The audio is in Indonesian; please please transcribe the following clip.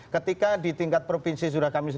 ketika di tingkat provinsi surakami sudah berubah